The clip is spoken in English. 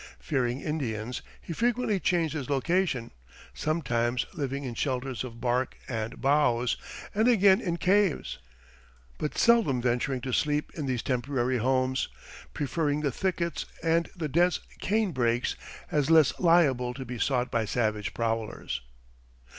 Fearing Indians, he frequently changed his location, sometimes living in shelters of bark and boughs, and again in caves; but seldom venturing to sleep in these temporary homes, preferring the thickets and the dense cane brakes as less liable to be sought by savage prowlers.